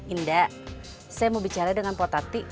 indah saya mau bicara dengan pak tati